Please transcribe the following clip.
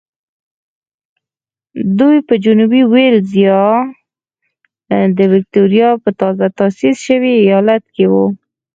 دوی په جنوبي وېلز یا د ویکټوریا په تازه تاسیس شوي ایالت کې وو.